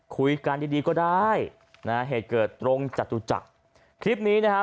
คุยกันดีดีก็ได้นะฮะเหตุเกิดตรงจตุจักรคลิปนี้นะฮะ